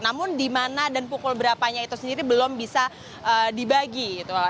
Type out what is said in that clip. namun di mana dan pukul berapanya itu sendiri belum bisa dibagi